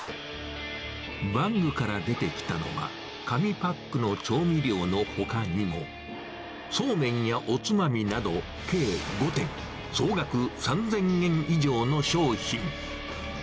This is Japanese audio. バッグから出てきたのは、紙パックの調味料のほかにも、そうめんやおつまみなど計５点、総額３０００円以上の商品。